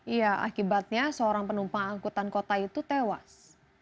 iya akibatnya seorang penumpang angkutan kota itu tewas